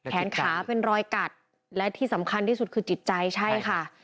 แขนขาเป็นรอยกัดและที่สำคัญที่สุดคือจิตใจใช่ค่ะ